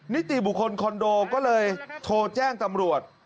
นิติบุคคลคอนโดก็เลยโทรแจ้งตำรวจ